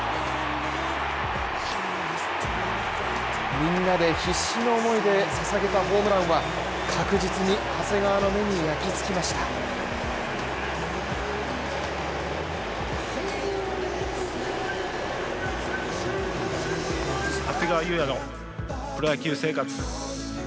みんなで必死の思いで捧げたホームランは確実に長谷川の目に焼き付きました。